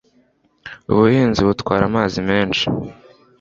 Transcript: Ubuhinzi butwara amazi menshi.